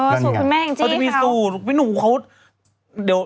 อ๋อสูตรคุณแม่อังจิเขาเขาจะมีสูตรไม่รู้เขา